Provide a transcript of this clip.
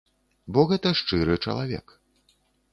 Бо гэта шчыры чалавек.